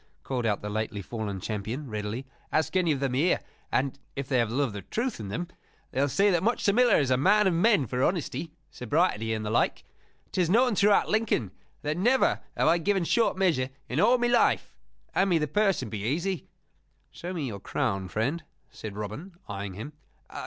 called out the lately fallen champion, readily. "Ask any of them here and (if they have love of truth in them) they will say that Much the Miller is a man of men for honesty, sobriety, and the like! 'Tis known throughout Lincoln that never have I given short measure in all my life. Hand me the purse and be easy." "Show me your crown, friend," said Robin, eyeing him.